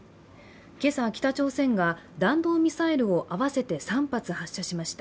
今朝、北朝鮮が弾道ミサイルを合わせて３発発射しました。